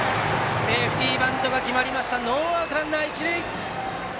セーフティーバントが決まってノーアウトランナー、一塁。